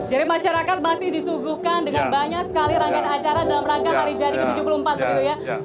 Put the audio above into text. jadi masyarakat masih disuguhkan dengan banyak sekali rangkaian acara dalam rangka hari jadigian ke tujuh puluh empat